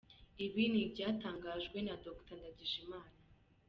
Ibi ni ibyatangaje na Dr Ndagijimana.